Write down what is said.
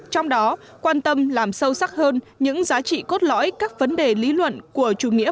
trong đó quan tâm làm sâu sắc hơn những giá trị cốt lõi các vấn đề lý luận của chủ nghĩa